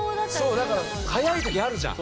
そうだから速い時あるじゃん。